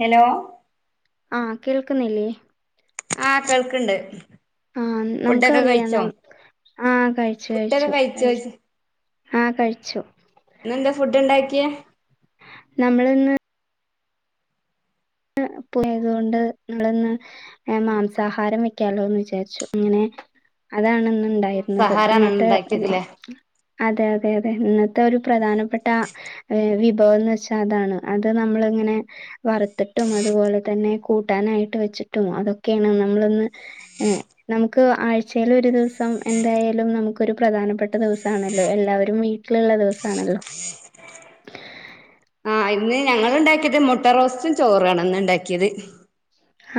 Hello. ആഹ് കേൾക്കുന്നില്ലേ. ആഹ് കേൾക്ക്ണ്ട്. ആഹ് ഫുഡൊക്കെ നമുക്കറിയാം ന കഴിച്ചോ ആഹ് കഴിച്ചു ഫുഡൊക്കെ കഴിച്ചു കഴച്ചു. കഴിച്ചോയ്ച്ച ആഹ് കഴിച്ചു. ഇന്നന്താ ഫുഡ് ഉണ്ടാക്കിയേ? നമ്മള്ന്ന്. പോയത് കൊണ്ട് നമ്മള്ന്ന്. മാംസാഹാരം വെക്കാലോന്ന് വിചാരിച്ചു ഇങ്ങനെ അതാണ്ന്ന്. ഇണ്ടായിരുന്നത് ഇന്നത്തെ. അതെ അതെ അതെ ഇന്നത്തെ ഒരു പ്രധാനപ്പെട്ട. വിഭവംന്നച്ചാ അതാണ് അത് നമ്മളിങ്ങനെ വറ ത്തിട്ടും അതുപോലെ തന്നെ കൂട്ടാനായിട്ട് വെച്ചിട്ടും അതൊക്കെയാണ് നമ്മള്ന്ന് ഏ നമുക്ക് ആഴ്ചല് ഒരു ദിവസം എന്തായാലും നമുക്കൊരു പ്രധാനപ്പെട്ട ദിവസാണല്ലോ എല്ലാവരും വീ ട്ട്ലിള്ള ദിവസാണല്ലോ. ആഹ് ഇന്ന് ഞങ്ങള് ഇണ്ടാക്കേത് മുട്ട റോസ്റ്റും ചോറാണ് ഇന്ന് ഇണ്ടാക്കിയത്.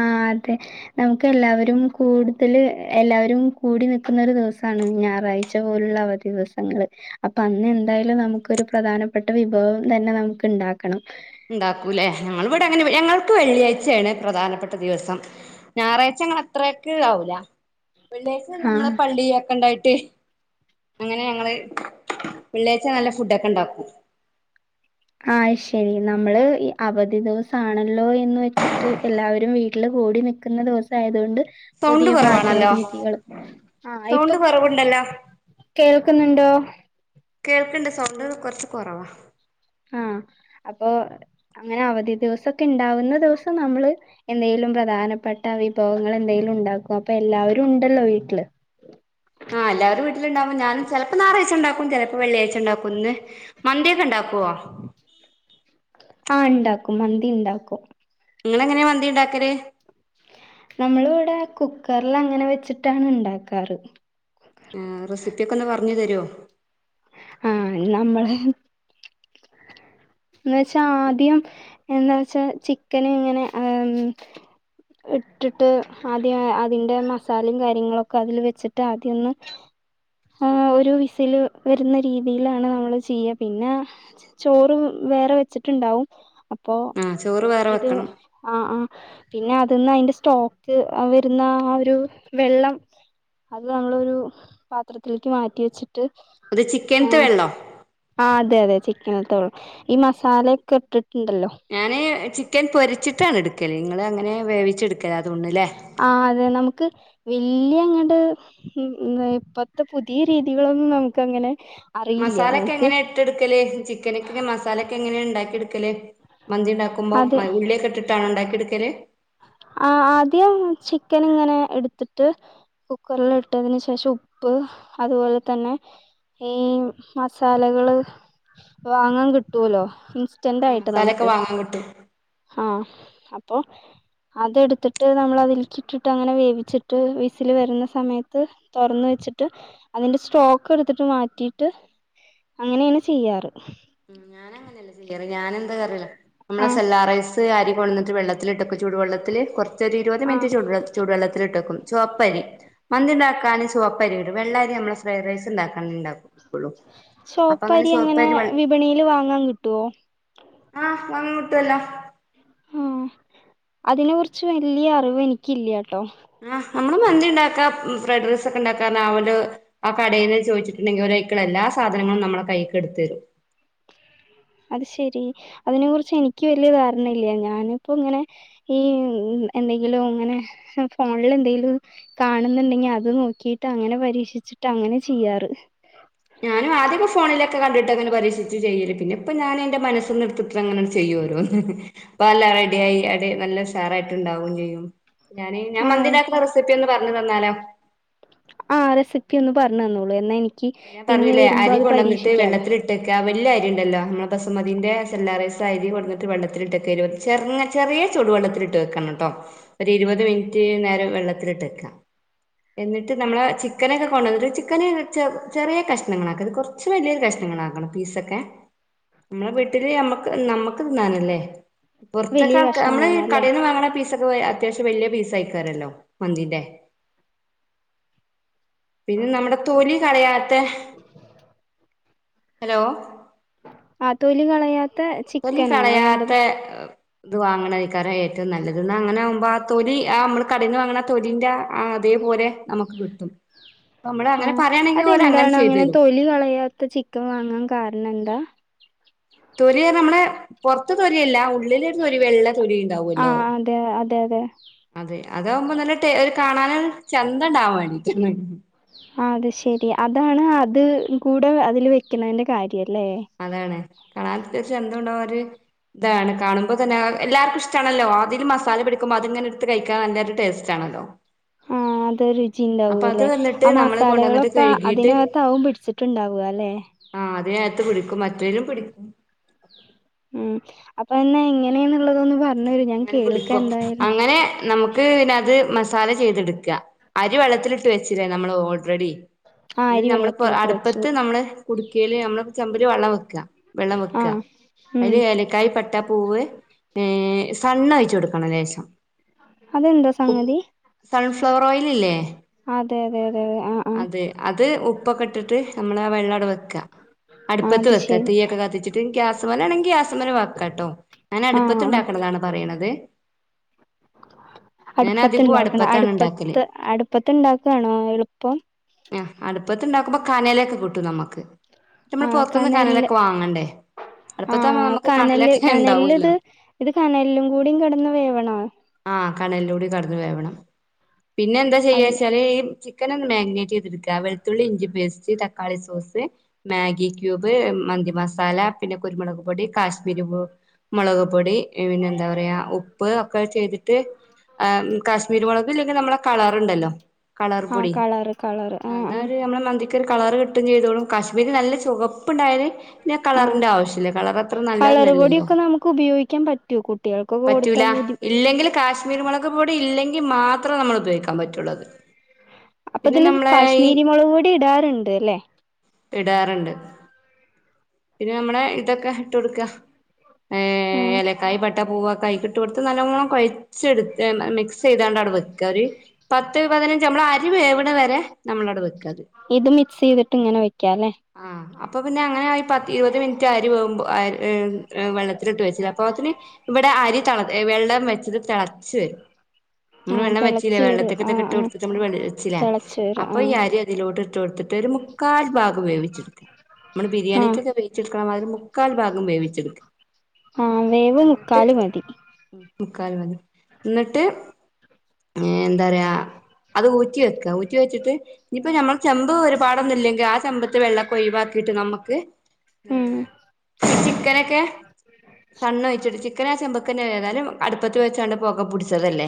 ആഹ് അതെ. നമുക്ക് എല്ലാവരും കൂടുതല് എല്ലാവരും കൂടി നിക്കുന്ന ഒരു ദിവസാണ് ഞായറാഴ്ച പോലുള്ള അവധി. ദിവസങ്ങള്. അപ്പൊ അന്ന് എന്തായാലും നമുക്കൊരു പ്രധാനപ്പെട്ട വിഭവം തന്നെ നമുക്ക് ഇണ്ടാക്കണം. ഇണ്ടാക്കൂല്ലേ ഞങ്ങള്ടെ അങ്ങനെ ഞങ്ങൾക്ക് വെള്ളിയാഴ്ചയാണ് പ്രധാനപ്പെട്ട ദിവസം. ഞായറാഴ്ച അങ്ങള് അത്രക്ക് ഇതാവൂല വെള്ള്യഴ്ച ആഹ് നമ്മളെ പള്ളി ഒക്കണ്ടായിട്ട്. അങ്ങനെ ഞങ്ങള് വെള്ള്യഴച്ച നല്ല ഫുടൊക്കെ ഇണ്ടാക്കും. ആഹ് ശരി നമ്മള് ഈ അവധി ദിവസാണല്ലോ എന്ന് വെച്ചിട്ട് എല്ലാവരും വീട്ടില് കൂടി നി ട്ടുന്ന ദിവസം ആയതുകൊണ്ട് സൗണ്ട് പുതിയ പാചക കൊറവാണല്ലോ രീതികളും ആ ഇപ്പൊ സൗണ്ട് കൊറവുണ്ടല്ലോ കേൾക്കുന്നുണ്ടോ? കേൾക്കുണ്ട്. സൗണ്ട് കുറച്ച് കുറവാ. ആഹ് അപ്പൊ അങ്ങനെ അവധി ദിവസൊക്കെ ഉണ്ടാവുന്ന ദിവസം നമ്മള് എന്തേലും പ്രധാനപ്പെട്ട വിഭവങ്ങൾ എന്തെലും ഉണ്ടാക്കോ അപ്പൊ എല്ലാവരും ഉണ്ടല്ലോ വീട്ടില്. ആഹ് എല്ലാവരും വീട്ടിലുണ്ടാവുമ്പോ ഞാനും ചിലപ്പോ ഞാറാഴ്ച ഉണ്ടാക്കും ചിലപ്പോ വെള്ളിയാഴ്ച്ച ഉണ്ടാക്കും. ഇന്ന് മന്തിയൊക്കെ ഉണ്ടാക്കുവോ? ആഹ്ഉണ്ടാക്കും. മന്തി ഉണ്ടാക്കും. നിങ്ങളെങ്ങനെയാ മന്തി ഉണ്ടാക്കല്? നമ്മൾ ഇവിടെ കുക്കറിൽ അങ്ങനെ വെച്ചിട്ടാണ് ഉണ്ടാക്കാറ്. ആ റെസിപ്പിയൊക്കെ ഒന്ന് പറഞ്ഞു തരുമോ? ആ നമ്മള് എന്ന് വച്ചാ ആദ്യം എന്താ വച്ചാ ചിക്കന് ഇങ്ങനെ ഇട്ടിട്ട് ആദ്യം അതിൻ്റെ മസാലയും കാര്യങ്ങളൊക്കെ അതിൽ വെച്ചിട്ട് ആദ്യം ഒന്ന് ആഹ് ഒരു വിസില് വരുന്ന രീതിയിലാണ് നമ്മള് ചെയ്യ പിന്ന. ച ചോറ് വേറെ വെച്ചിട്ടുണ്ടാവും അപ്പോ ആഹ് ചോറ് വേറെ ഇത്. വെക്കണം ആഹ് ആഹ് പിന്നെ അത് ന്ന് അയ്ന്റെ സ്റ്റോക്ക് അ വരുന്ന ആ ഒരു വെള്ളം. അത് നമ്മളൊരു പാത്രത്തിലേക്ക് മാറ്റി വെച്ചിട്ട്. അത് ചിക്കൻത്തെ വെള്ളം. ആഹ് അതെ അതെ ചിക്കനിത്തെ വെളളം ഈ മസാലെക്കെ ഇട്ട്ട്ട് ണ്ടല്ലോ. ഞാന് ചിക്കൻ പൊരിച്ചിട്ടാണ് ഇട്ക്കല് നിങ്ങള് അങ്ങനെ വേവിച്ചെടുക്കലാതോന്ന്ണ ലേ. ആഹ് അതെ നമുക്ക് വല്ല്യങ്ങട്. ഉം എ ഇപ്പത്തെ പുതിയ രീതികളൊന്നും നമുക്കങ്ങനെ. മസാലക്കെങ്ങനെ ഇട്ട്ട്ക്കല് ചിക്കന്ക്ക് മസാലക്കെങ്ങനെ ണ്ടാക്കിട്ക്കല്. മന്തിണ്ടാക്കുമ്പം അത് മ ഉള്ളിയൊക്കെ ഇട്ടിട്ടാണോ ഉണ്ടാക്കിട്ക്കല്. ആ ആദ്യം ചിക്കന്ങ്ങനെ എടുത്ത്ട്ട്. കുക്കർല്ട്ടതിന് ശേഷം ഉപ്പ് അതുപോലെ തന്നെ. ഈ മസാലകള് വാങ്ങാ കിട്ടുവലോ. ആഹ് സ്റ്റണ്ടായിട്ട് മസാലൊക്കെ നമുക്ക് വാങ്ങാൻ കിട്ടും ആഹ് അപ്പൊ. അത്ട്ത്തിട്ട് നമ്മളതിൽക്കിട്ടിട്ട് അങ്ങനെ വേവിച്ചിട്ട് വിസില് വരുന്ന സമയത്ത്. തൊർന്ന് വെച്ചിട്ട് അതിന്റെ സ്ട്രോക്ക് എടുത്തിട്ട് മാറ്റിട്ട്. അങ്ങനേണ് ചെയ്യാറ്. ഉം ഞാനങ്ങനല്ല ചെയ്യാറ് ഞാനെന്ത് അറില്ല നമ്മളെ ആ സെല്ലാ റൈസ്. ത്ത് അരി കൊട്ന്ന്ട്ട് വെള്ളത്തിലിട്ടൊക്കെ ചുടു വെള്ളത്തില് കൊർച്ചൊര് ഇരുപത് ആ മിൻറ്റ് ചുടു വെള്ള ചൂടു വെള്ളത്തിലിട്ടക്കും ചുവപ്പരി മന്തിണ്ടാക്കാന് ചുവപ്പരി ഇടും വെള്ള അരി നമ്മ ഫ്രൈഡ് റൈസ്ണ്ടാക്കണ ണ്ടാക്കു ഒള്ളു അപ്പൊങ്ങനെ ചുവപ്പരി വിപണീല് വാങ്ങാ കിട്ടുവോ? ആഹ് വാങ്ങാ കിട്ട്വല്ലോ. ഉം അതിനെ കുറിച്ച് വല്ല്യ അറിവ് എനിക്ക്യില്ലാട്ടോ. ആഹ് നമ്മള് മന്തിണ്ടാക്കാ ഉം ഫ്രൈഡ് റൈസ് ഒക്കെണ്ടാക്കാർഞ്ഞാ ആ ഒരു. ആ കടേന്ന് ചോയിച്ചിട്ട്ണ്ടെങ്കി ഓലയ്ക്ക്ള്ള എല്ലാ സാധനങ്ങളും നമ്മളെ കൈയ്ക്ക് ഇട്ത്തരും. അത് ശെരി അതിനെ കുറിച്ച് എനിക്ക് വല്ല്യ ധാരണ ഇല്ല്യ ഞാന്പ്പോ ങ്ങനെ. ഈ എന്തെങ്കിലുങ്ങനെ ഫോൺല് എന്തെങ്കിലും. കാണുന്നുണ്ടെങ്കി അത് നോക്കിട്ട് അങ്ങനെ പരീക്ഷിച്ചിട്ട് അങ്ങനെ ചെയ്യാറ്. ഞാനു ആദ്യക്കെ ഫോണിലൊക്കെ കണ്ടിട്ടങ്ങനെ പരീക്ഷിച്ച് ചെയ്യല് പിന്നെപ്പ ഞാൻ എന്റെ മനസ്സ്ന്ന്ട്ത്ത്. അങ്ങനെട് ചെയ്യു ഓരോന്ന് പ്പ അല്ലാ റെഡ്യായി അടി നല്ല ഉഷാറായിട്ട്ണ്ടാവു ചെയ്യും. ഞാന് ഞാ ആ മന്തിണ്ടാക്കുന്ന റെസിപ്പി ഒന്ന് പർഞ്ഞു തന്നാലോ. ആഹ് റെസിപ്പി ഒന്ന് പർഞ് തന്നോളൂ എന്നാ എനിക്ക് ഇനി യാ വരുമ്പോ അത് പരീക്ഷിക്കാലോ. ട്ടെക്കാ വല്ല്യ അരിണ്ടല്ലോ നമുടെ ബസുമതിന്റെ സെല്ലാ റൈസ് അരി കൊട്ന്ന്ട്ട് വെള്ളത്തിലിട്ടെക്ക ഇരുപത്. ചെർങ്ങ ചെറിയ ചടുവെള്ളത്തിലിട്ട് വെക്കണട്ടോ. ഒരിരുപത് മിൻറ്റ് നേരം വെള്ളത്തിലിട്ട്ക്കാ. എന്നിട്ട് നമ്മളെ ചിക്കനൊക്കെ കൊണ്ടന്ന്ട്ട് ചിക്കന് ചെർ ചെറിയ കഷ്ണങ്ങളാക്ക അത് കൊർച്ച് വല്ല്യൊരു കഷ്ണങ്ങളാക്കണം പീസൊക്കെ. നമ്മളെ വീട്ടില് നമ്മക്ക് നമ്മക്ക് തിന്നാനല്ലേ പൊർതൊക്കെ വലിയ ആൾക്ക കഷ്ണം മ്മള് വേണം അല്ലേ കടേന്ന് വാങ്ങണ പീസ ത്രോയ അത്യാവശ്യം വല്ല്യ പീസയ്ക്കാരല്ലോ മന്തിന്റെ. പിന്നെ നമ്മടെ തൊലി കളയാ ത്തെ ഹലോ. ആഹ് തൊലി കളയാ തൊലി കളയാത്തെ എ. ത് വാങ്ങണക്കാരം ഏറ്റവും നല്ലത്ന്നാ അങ്ങനെ ആമ്പോ ആ തൊലി ആ നമ്മള് കടയിന്ന് വാങ്ങണ തൊലിന്റെ ആ അതേപോലെ നമുക്ക് കിട്ടും അപ്പ നമ്മള് അങ്ങനെ പറയാണെങ്കി ഓലങ്ങനെ ചെയ്തു തരും ലി കളയാത്ത ചിക്ക് ക്കെൻ വാങ്ങാ കാരണം എന്താ തൊലിർഞ്ഞ മ്മളെ പൊറത്ത തൊലിയല്ല ഉള്ളിള് രു തൊലി വെള്ള തൊലി ആ ഇണ്ടാവല്ലോ അതെ അതെ അതെ അതെ അതാകുമ്പോ നല്ല ടെ കാണാനരു ചന്ത ഇണ്ടാവാൻ വേണ്ടീട്ട് ആ അത് ശരി അതാണ് അത് കൂടെ അതിൽ വെക്കെണീന്റെ കാര്യല്ലേ അതാണ് കണാത്യാശം ച ന്തുണ്ടാ ഒര് ഇതാണ് കാണുമ്പോൾ തന്നെ എല്ലാവർക്കും ഇഷ്ടണല്ലോ ആദ്യരു മസാല പടിക്കുമ്പോ അതിങ്ങനെടുത്ത് കഴിക്കാൻ നല്ലൊരു ടേസ്റ്റ് ആണല്ലോ ആ അതെ രുച് ചിണ്ടാവു അപ്പൊ അത് ല്ലെ വന്നിട്ട് ആ നമ്മള് കൊണ്ടുവന്നിട്ട് മസാലകളൊക്കെ കഴുകിയിട്ട് അതിനകത്ത ആവും പിടിച്ചിട്ടുണ്ടാവല്ലെ ആ അതിനത്ത് പിടിക്കും മറ്റേലും പിടിക് മ് അപ്പ അന്ന് എങ്ങനേന്ന്നുള്ളതൊന്ന് പറ അങ്ങനെ പിടിക്കോ അങ്ങനെ നമക് മക്ക് ന്നെ അത് മസാല ചെയ്തെട്ക്ക അരി വെള്ളത്തിലിട്ട് വെച്ചില്ലേ നമ്മൾ ഓൾറെഡി ആ പി അരി നമ്മളപ്പൊ വെള്ളത്തിലിട്ട് വെച്ചു അടുപ്പത്ത് നമ്മള് കുടിക്കല് നമ്മള് ചമ്പില് വള്ളം വെക്കാ വെള്ളം ആ വെക്ക ഉം അയില് ഏലക്കായ് പട്ടപ്പൂവ് ഏ സ് എണ്ണോഴിചൊടുക്കണം ലേശം അതെന്താ ഉപ് സംഗതി സൺഫ്ലവർ ഓയ്ല് ഇല്ലേ അതെ അതെ അതെ അതെ ആ ആ അത് അത് ഉപ്പൊക്കെ ഇട്ടിട്ട് നമ്മളെ വെള്ളം അട വെക്കാ ആ അടുപ്പത്ത് അത് വെക്കാ ശരി തീയ ഒക്കെ കത്തിച്ചിട്ട് ഗ്യാസമലാണെങ്കിൽ ഗ്യസ്സ്മലും വെക്കട്ടോ ഞാൻ ആ അടുപ്പത്ത് ആ ഇണ്ടാക്കണതാണ് പറയണത് ഞാൻ അധികവും അടുപ്പത്തിണ്ടാക്കണ അടുപ്പത്താണ് ഇണ്ടാക്കല് അടുപ്പത്ത് അടുപ്പത്തിണ്ടാക്കണോ എളുപ്പം ആ അടുപ്പത്തി ഇണ്ടാക്കുമ്പൊ കനലൊക്കെ കിട്ടും നമ്മക്ക് നമ്മള് ആ പൊർത്തുന്ന് കനലില് കനലൊക്കെ വാങ്ങണ്ടേ ആ അടുപ്പത്താമ്പൊ നമ്മക്ക് കനല് കനലൊക്കെ കനലില് ഇണ്ടാവല്ലോ ഇത് ഇത് കനലിലും കൂടി കെടന്നു വേവണോ ആ കണലൂടി കടന്നു വേവണം പിന്നെ എന്താ അത് ചെയ്യാെച്ചാല് ഈ ചി ക്കനൊന്ന് മാഗ്നേറ്റയ്തെടുക്ക വെളുതുള്ളി ഇഞ്ചി പേസ്റ്റ് തക്കാളി സോസ് മാഗി ക്യൂബ് മന്തി മസാല പിന്നെ കുരുമുളക് പൊടി കാശ്മീരി പൊ മൊളക് പൊടി പിന്നെ എന്താ പറയാ ഉപ്പ് ഒക്കെ ചെയ്തിട്ട് ആ കാശ്മീരി മൊളക് ഇല്ലെങ്കി നമ്മളെ കളർണ്ടല്ലോ കളർ ആ പൊടി കളറ് കളറ് ആ എന്ന ആ ഒരു നമ്മളെ മന്തി ക്കൊരു കളറ് കിട്ടും ചെയ്തോളും കാശ്മീരി നല്ല ചുവപ്പുണ്ടായത് ഇന്ന ആ കളറിന്റെ ആവശ്യല്ല കളർ അത്ര കളർ നല്ലതൊന്നല്ലല്ലോ പൊടിയൊക്കെ നമുക്ക് ഉപയോഗിക്കാൻ പറ്റ് റ്റു കുട്ടിയാൾക് പറ്റൂല ഇല്ലെങ്കിൽ കാശ്മീരീ മൊളക് പൊടി ഇല്ലെങ്കി മാത്ര നമ്മൾ ഉപയോഗിക്കാൻ പറ്റുള്ളൂ അത് പിന്നെ ഇപ്പതില് നമ്മളെ ഈ കാശ്മീരി മൊളക് പൊടി ഇടാർണ്ട് ല്ലേ ഇടാർണ്ട് പിന്നെ നമ്മളെ ഇതൊക്കെ ഇട്ട് കൊടുക്കാ ഏ ആ ഏലക്കായി പട് ഉവ്വാ കര്കിട്ട് കൊടുത്ത് നല്ലോണം കൊയച്ചെടു എ മ് മിക്സ് ചെയ്താണ്ട് അവ്ടെ വെക്കാ ഒര് പത്ത് പതിനഞ്ച് നമ്മള അ രി വേവ്ണ വരെ നമ്മളവടെ വെക്കത് ഇത് മി മിക്സെയ്തിട്ട് ഇങ്ങന വെക്കാല്ലേ ആഹ് അപ്പൊ പിന്നെ അങ്ങനായി പത്ത് ഇരുപത് മിൻറ്റ് അരി വേവുമ്പൊ [unintelligible] വെള്ളത്തിലിട്ട് വെച്ചിലെ അപ്പോത്തിന് ഇവടെ അരി തള എ വെള്ളം വെച്ചത് തെളച്ച് വെരും. ആ നമ്മള് വെള്ളം വെച്ചിലേ, തിളച്ചു വരും വെള്ളത്ത്ക്ക് ആ ഇതൊക്കെ ഇട്ട് ആ കൊട്ത്തിട്ട് നമ്മള് വെൾ വെച്ചിലെ, തിളച്ചു വരും അപ്പൊ ആ ഈ അരി ഇതിലോട്ട് ഇട്ട് കൊടുത്തിട്ട്, ഒരു മുക്കാൽ ഭാഗ ക് വേവിച്ചെടുക്ക്. നമ്മള് ആ ബിരിയാണിക്കെക്കെ വേവ്ച്ചെട്ക്കണമാതിരി മുക്കാൽ ഭാഗം വേവിച്ചെടുക്ക് ഹാഹ് വേവ് നിക് ട്ട് മുക്കാല് മതി. ഇന്ന്ട്ട് ങേ എന്താ പറയാ, അത് ഊറ്റി വെക്ക, ഊറ്റി വെച്ചിട്ട് ഇനിപ്പ ഞമ്മള് ചെമ്പ് വരു പ്പാടൊന്ന്ല്ലെങ്കി ആ ചെമ്പ്ത്തെ വെള്ളൊക്കെ ഒയ്‌വാക്കീട്ട് നമ്മക്ക് ഉം ചിക്കനെക്കെ സണ്ണൊഴിച്ചിട്ട് ചിക് ചിക്കനാ ചെമ്പ്ക്കെന്നെ ഏതാലും അടുപ്പത്ത് വെച്ചാണ്ട് പൊക പുട്ച്ചതല്ലെ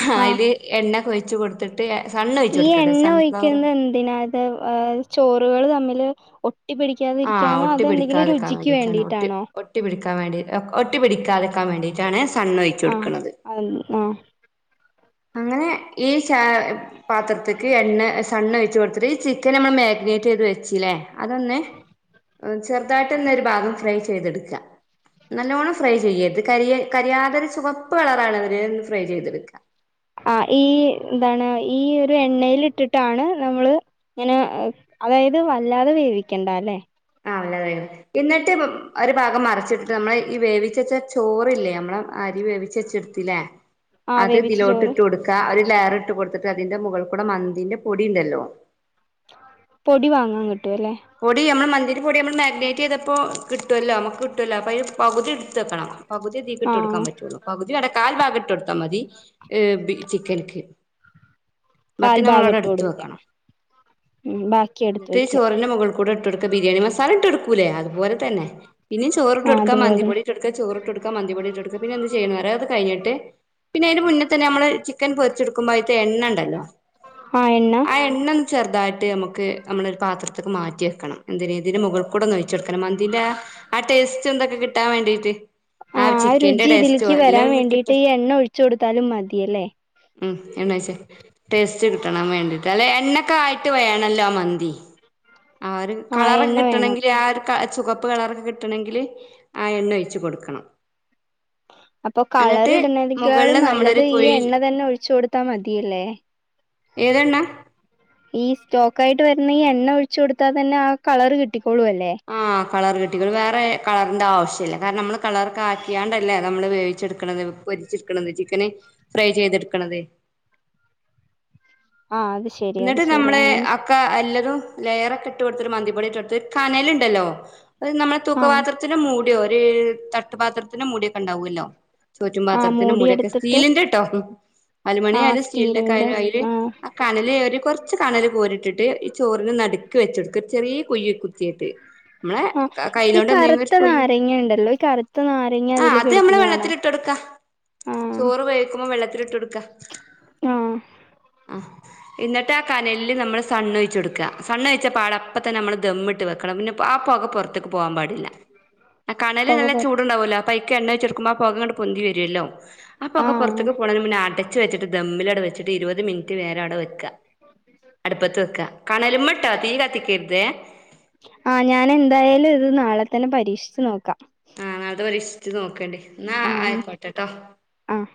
ഹ ആ അയില് എണ്ണക്കെ ഒയിച്ച് കൊടുത്തിട്ട്, എ സണ്ണ് ഒയ്ച്ച് കൊടുക്കട്ടൊ സൺഫ്ലവറ് പിന്നെ അത് ഏ ചോറ്കള് തമ്മില് ഒട്ടിപിടി ആ ക്കാതിരിക്കാനോ ഒട്ടി അതൊ എന്തെങ്കിലും പിടിക്കാതെക്കാൻ രുചിക്ക് വേണ്ടിയിട്ടാണ് ഒട്ടി വേണ്ടീട്ടാണോ? ഒട്ടി പിടിക്കാം വേണ്ടി, ഒ ഒട്ടി പിടിക്കാതെക്കാം വേണ്ടീട്ടാണ് സണ്ണ് ഒയിച്ച് കൊട്ക്ക്ണത്. [unintelligible] ആഹ് അങ്ങനെ ഈ ചാ പാത്രത്ത്ക്ക് എണ്ണ സണ്ണൊയിച്ച് കൊടുത്തിട്ട് ഈ ചിക്ക് ക്കനമ്മള് മാഗ്നേറ്റ് ചെയ്ത് വെച്ചിലേ അതൊന്ന് അത് ചെറുതായിട്ട്ന്നൊരു ഭാഗം ഫ്രൈ ചെയ്തെട്ക്ക നല്ലോണം ഫ്രൈ ചെയ്യര്ത്, കരിയെ കരിയാതൊര് ചുവപ്പ് കളറാക്ണത് വരേ ഒന്ന് ഫ്രൈ ചെയ്തെട്ക്ക ആഹ് ഈ എന്താണ് ഈ ഒരു എണ്ണേലിട്ടിട്ടാണ് നമ്മള് ഇങ്ങനെ അ അതായത് വല്ലാതെ വേവിക്കണ്ടാലെ ആഹ് നല്ല വേവ് ഇന്ന്ട്ട് ഒര് ഭാഗം മറച്ചിട്ടിട്ട്, നമ്മളെ ഈ വേവിച്ചച്ച ചോറില്ലേ നമ്മളെ അരി വേവിച്ചെച്ച ത്തിലെ ആ അത് വേവിച്ച ഇതിലോട്ട് ചോറ് ഇട്ട് കൊടുക്ക, ഒര് ലെയറിട്ട് കൊട്ത്ത്ട്ട് അതിന്റെ മുകൾക്കുടെ മന്തിന്റെ പൊടിണ്ടല്ലോ പൊടി വാങ്ങാൻ കിട്ടുവല്ലേ പൊടി അമ്മള് മന്തിന്റെ പൊടി നമ്മള് മാഗ്നേറ്റ് ചെയ്തപ്പോ ക കിട്ടൊല്ലോ, നമ്മക്ക് കിട്ടൊല്ലോ അപ്പയ്ല് പകുതി ഇട്ട് ത്ത് വെക്കണം. പകുത്യേ ഇതീക്ക് ആ ഇട്ടൊട്ക്കാൻ പറ്റൊള്ളു. പകുതി വേണ്ട കാൽ ഭാഗം ഇട്ടൊട്ത്താ മതി, ഏ ബി ചിക്കൻക്ക് ബാക്കി കാൽഭാഗം നമ്മളവ്ടെ ഇട്ട് എട്ത്ത് കൊടുക്കുക വെക്കണം. ഉം ബാക്കി എടുത്ത് ഇന്ന്ട്ട് ഈ വെക്കുക ചോറിന്റെ മുകൾ കുടെ ഇട്ട് കൊട്ക്ക, ബിരിയാണി മസാല ഇട്ട് കൊട്ക്കൂലെ അതുപോലെ തന്നെ. പിന്നിം ചോറ്ട്ട് ആ കൊട്ക്ക, മന്തി അതുപോലെ പൊടി ഇട്ട് കൊട്ക്ക, ചോറ് ഇട്ടൊട്ക്ക പിന്നെന്ത് ചെയ്യണന്നറിയോ അത് കഴിഞ്ഞിട്ട്, പിന്നെ അയിന്റെ മുന്ന തന്നെ അമ്മള് ചി ക്കൻ പൊരിച്ച്ട്ക്കുമ്പൊ അയ്ത്തെ എണ്ണണ്ടല്ലോ, ആ എണ്ണൊന്ന് ചെറുതായ് ട്ട് നമുക്ക് നമ്മളൊര് പാത്രത്ത്ക്ക് മാ റ്റി വെക്കണം എന്തിന്, ഇതിന്റെ മുകൾക്കുടൊന്ന് ഒയ്ച്ച് കൊടുക്കണം, മന്തിന്റെ ആ ടേസ്റ്റെന്തൊക്കെ കിട്ടാൻ വേണ്ടീട്ട് ആഹ് ആ രുചി ഇതിൽക്ക് വരാൻ വേണ്ടീട്ട്, കിട്ടും ഈ എണ്ണ ഒഴിച്ചു കൊടുത്താലും മതി, അല്ലെ? ഉം എണ്ണൊയ്ച്ച് ടേസ്റ്റ് കിട്ടണം വേണ്ടീട്ട്, അല്ലേ എണ്ണക്കെ ആയിട്ട് വേണല്ലോ ആ മന്തി ആഹ് ഒര് ആ കളറെക്കെ എണ്ണ വേണം കിട്ടണെങ്കില് ആ ഒര് ക ചുകപ്പ് കളറൊക്കെ കിട്ടണെങ്കില്, ആ എണ്ണ ഒയ്ച്ച് കൊടുക്കണം. അപ്പൊ കളറ് എന്നിട്ട് ഇടുന്നെനേക്കാളും മുകളില് നല്ലത് നമ്മളൊരു ഈ കുഴി എണ്ണ തന്ന ഒഴിച്ചു കൊടുത്താ മതിയല്ലേ? ഏതെണ്ണ? ഈ സ്റ്റോക്കായിട്ട് വരുന്ന ഈ എണ്ണ ഒഴിച്ചു കൊടുത്താ തന്നെ ആ കളറ് കിട്ടിക്കോളു അല്ലെ ആഹ് കളറ് കിട്ടിക്കോളും. വേറെ കളർന്റാവശ്യല്ല കാരണം, നമ്മള് കളറക്കാക്ക്യാണ്ടല്ല നമ്മള് വേവിച്ചെട്ക്കണത് പൊരിച്ച്ട്ക്കണത്, ചിക്കന് ഫ്രൈ ചെയ്തെട്ക്ക്ണത് ആഹ് അത് ശെരി അത് ശെരി അങ്ങനെ ക്കെ അല്ലതും ലെയറൊക്കെ ഇട്ട് കൊടുത്തിരു മന്തിപ്പൊടി ഇട്ട് കൊടുത്ത് കനലുണ്ടല്ലോ അത് നമ്മളുടെ ആഹ് തൂക്കപാത്ര ത്തിന് മൂടിയോ ഒരു തട്ടുപാത്രത്തിന് മൂടിയൊക്കെ ഉണ്ടാവുമല്ലോ ചോറ്റും ആഹ് പാത്രത്തിന്റെ മൂടിയൊക്കെ മൂടിയെടുത്തിട്ട് സ്റ്റീലിന്റെ ട്ടോ അലുമണി ആഹ് ആയാലും സ്റ്റീലിന്റെ സ്റ്റീലിന്റെക്കൊയയും അതില് ആഹ് കാന അല്ലെ ഒരു കൊറച്ച് കണല് കോരിട്ടിട്ട് ഈ ചോറിന് നടുക്ക വെച്ചെടുക്ക ഒരു ചെറിയ കുഴി കുത്തിട്ട് നമ്മളെ ആഹ് ഈ കയ്യിലോണ്ട് എന്തെങ്കിലും ഒരു കറുത്ത കുയി നാരങ്ങ ഉണ്ടല്ലോ ഈ കറുത്ത നാരങ്ങ ആ അതില് അത് നമ്മളെ കെടുക്കുന്ന വെള്ളത്തി കാണാം ഇട്ടെടുക്ക ആഹ് ചോറ് വേവിക്കുമ്പോൾ വെള്ളത്തിൽ ഇട്ട് കൊടുക്ക ആഹ് എന്നിട്ട് ആ കനലിൽ നമ്മള് സണ് ഒഴിച്ച് കൊടുക്കുക സണ്ണ ഒഴിച്ച പാട അപ്പം തന്നെ നമ്മൾ ദമ്മിട്ട് വെക്കണം പിന്നെ ആ പുക പുറത്ത് ക്ക് പോവാൻ പാ കണല് പൊക നല്ല പൊറത്ത് ചൂട്ണ്ടാവലോ അപ്പൈക്ക് എണ്ണ ഒഴിച്ചടുക്കുമ്പോ പോകങ്ങണ്ട് പൊന്തി വരുല്ലോ ആ പൊക ആഹ് പുറത്തേക്ക് പോണെന്റെ മുന്നെ അടച്ച് വച്ചിട്ട് ദമ്മിലടെ വെച്ചിട്ട് ഇരുപത് മിനിറ്റ് നേരം അവിടെ വെക്ക അടുപ്പത്ത് വെക്ക കണല മട്ടോ തീ കത്തിക്കരുത് ആഹ് ഞാൻ എന്തായാലും ഇത് നാളെ തന്നെ പരീക്ഷിച്ച് നോക്കാ ആഹ് നാളത്തെ പരീക്ഷച്ച് നോക്കേണ്ടി എന്നാ ആയക്കോട്ടെട്ടോ ആഹ്